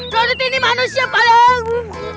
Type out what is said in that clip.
daudit ini manusia padeng